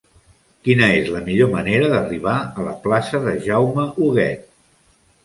Quina és la millor manera d'arribar a la plaça de Jaume Huguet?